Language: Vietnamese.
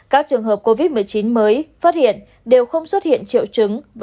các trường hợp covid một mươi chín mới phát hiện đều không xuất hiện triệu chứng